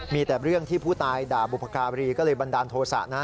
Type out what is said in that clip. มีแต่เรื่องที่ผู้ตายด่าบุพการีก็เลยบันดาลโทษะนะ